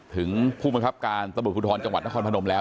ถึงภูมิคับการณ์ตำรุภูทรจังหวัดนครพนมแล้ว